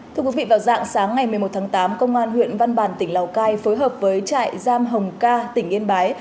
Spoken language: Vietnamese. thưa quý vị vào dạng sáng ngày một mươi một tháng tám công an huyện văn bàn tỉnh lào cai phối hợp với trại giam hồng ca tỉnh yên bái